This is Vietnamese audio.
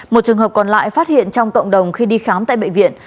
một trường hợp còn lại phát hiện trong cộng đồng khi đi khám tại bệnh viện